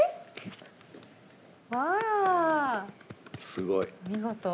すごい。お見事。